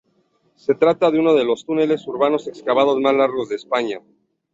Se trata de uno de los túneles urbanos excavados más largos de España.